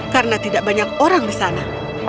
karena tidak banyak orang di sana